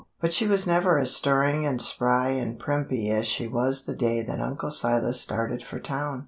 But she was never as stirring and spry and primpy as she was the day that Uncle Silas started for town.